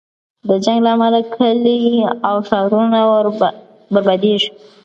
د جنګ له امله کلی او ښارونه بربادېږي.